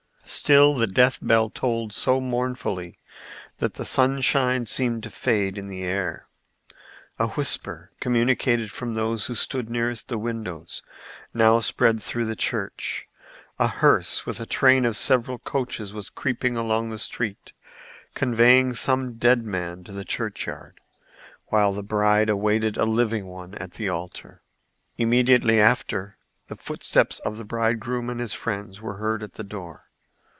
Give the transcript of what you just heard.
Still the death bell tolled so mournfully that the sunshine seemed to fade in the air. A whisper, communicated from those who stood nearest the windows, now spread through the church: a hearse with a train of several coaches was creeping along the street, conveying some dead man to the churchyard, while the bride awaited a living one at the altar. Immediately after, the footsteps of the bridegroom and his friends were heard at the door.